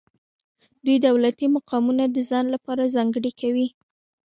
دوی دولتي مقامونه د ځان لپاره ځانګړي کوي.